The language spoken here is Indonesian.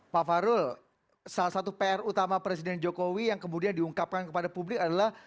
pak farul salah satu pr utama presiden jokowi yang kemudian diungkapkan kepada publik adalah